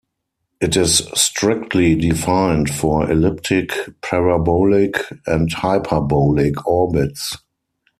It is strictly defined for elliptic, parabolic, and hyperbolic orbits.